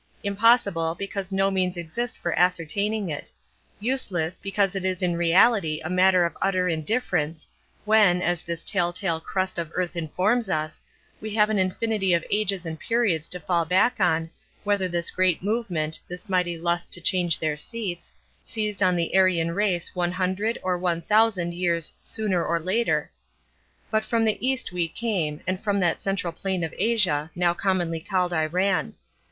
Impossible, because no means exist for ascertaining it; useless, because it is in reality a matter of utter indifference, when, as this tell tale crust of earth informs us, we have an infinity of ages and periods to fall back on whether this great movement, this mighty lust to change their seats, seized on the Aryan race one hundred or one thousand years sooner or later. But from the East we came, and from that central plain of Asia, now commonly called Iran.